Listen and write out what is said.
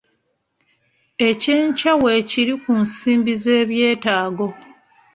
Ekyenkya kwe kiri ku nsimbi z'ebyetaago.